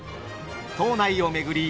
島内を巡り